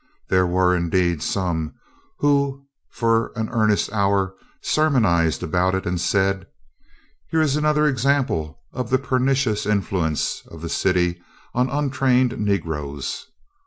There were, indeed, some who for an earnest hour sermonised about it and said, "Here is another example of the pernicious influence of the city on untrained negroes.